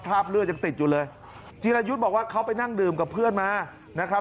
เลือดยังติดอยู่เลยจีรายุทธ์บอกว่าเขาไปนั่งดื่มกับเพื่อนมานะครับ